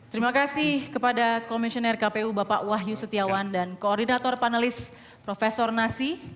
terima kasih kepada komisioner kpu bapak wahyu setiawan dan koordinator panelis prof nasi